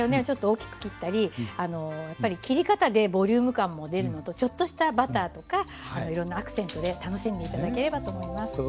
ちょっと大きく切ったりやっぱり切り方でボリューム感も出るのとちょっとしたバターとかいろんなアクセントで楽しんで頂ければと思います。